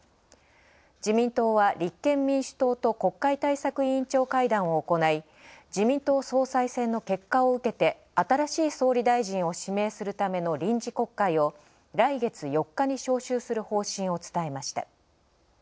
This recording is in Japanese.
自民党は立憲民主党と国会対策委員長会談を行い、自民党総裁選の結果を受けて新しい総理大臣を指名するための臨時国会を来月４日に召集する方針を伝えました。